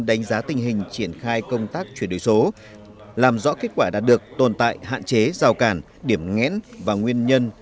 đánh giá tình hình triển khai công tác chuyển đổi số làm rõ kết quả đạt được tồn tại hạn chế rào cản điểm ngẽn và nguyên nhân